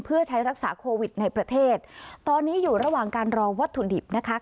เพื่อใช้รักษาโควิดในประเทศตอนนี้อยู่ระหว่างการรอวัตถุดิบนะคะ